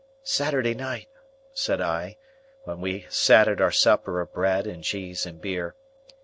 "Saturday night," said I, when we sat at our supper of bread and cheese and beer.